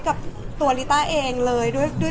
พอเสร็จจากเล็กคาเป็ดก็จะมีเยอะแยะมากมาย